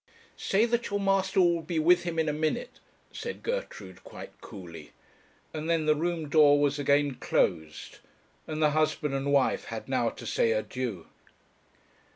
'Say that your master will be with him in a minute,' said Gertrude, quite coolly; and then the room door was again closed, and the husband and wife had now to say adieu.